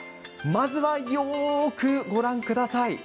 まずはよくご覧ください。